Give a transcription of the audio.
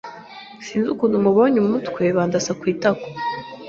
sinzi ukuntu nubuye umutwe bandasa ku itako